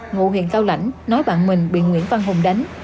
ngụ huyện cao lãnh nói bạn mình bị nguyễn văn hùng đánh